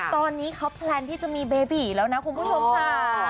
ตอนนี้เขาแพลนที่จะมีเบบีแล้วนะคุณผู้ชมค่ะ